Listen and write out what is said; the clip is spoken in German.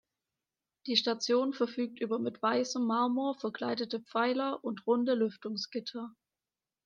Die Station verfügt über mit weißem Marmor verkleidete Pfeiler und runde Lüftungsgitter.